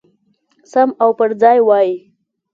سم او پرځای وای.